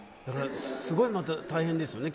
すごい大変ですよね